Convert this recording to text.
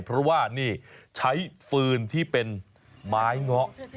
เพราะว่านี่ใช้ฟืนที่เป็นไม้เงาะ